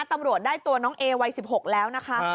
ตำรวจได้ตัวน้องเอวัย๑๖แล้วนะคะ